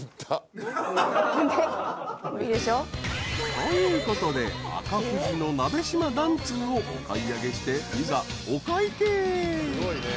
［ということで赤富士の鍋島緞通をお買い上げしていざお会計］